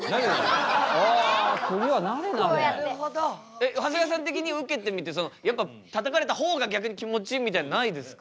えっ長谷川さん的に受けてみてやっぱたたかれた方が逆に気持ちいいみたいなのないですか？